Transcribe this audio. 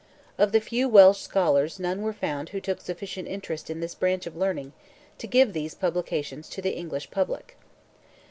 Of the few Welsh scholars none were found who took sufficient interest in this branch of learning to give these productions to the English public.